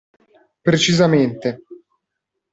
Precisamente!